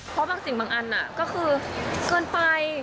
เพราะบางสิ่งบางอันก็คือเกินไป